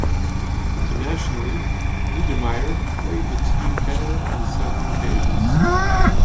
Internationally, Niedermayer played with Team Canada on several occasions.